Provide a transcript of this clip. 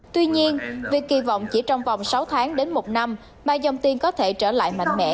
tuy nhiên việc kỳ vọng chỉ trong vòng sáu tháng đến một năm mà dòng tiền có thể trở lại mạnh mẽ